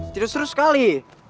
tidak seru sekali